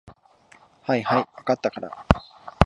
はいはい、分かったから。